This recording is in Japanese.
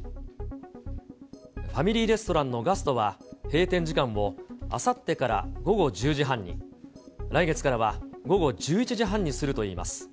ファミリーレストランのガストは、閉店時間をあさってから午後１０時半に、来月からは午後１１時半にするといいます。